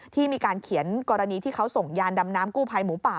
ที่มีการเขียนกรณีที่เขาส่งยานดำน้ำกู้ภัยหมูป่า